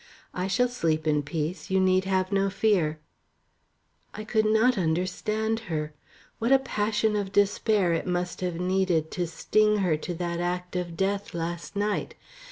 "I shall sleep in peace. You need have no fear." I could not understand her. What a passion of despair it must have needed to string her to that act of death last night!